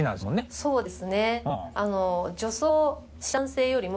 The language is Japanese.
そうです。